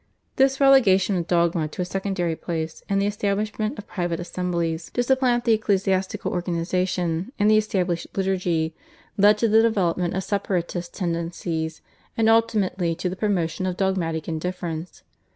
This relegation of dogma to a secondary place, and the establishment of private assemblies to supplant the ecclesiastical organisation and the established liturgy, led to the development of separatist tendencies and ultimately to the promotion of dogmatic indifference.